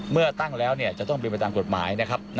เมื่อตั้งแล้วจะต้องเป็นไปตามกฎหมายนะครับ